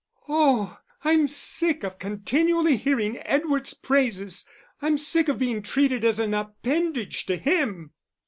"Oh, I'm sick of continually hearing Edward's praises. I'm sick of being treated as an appendage to him."